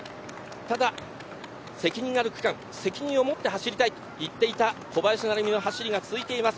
ただ責任ある区間、責任を持って走りたいと言っていた小林成美の走りが続いています。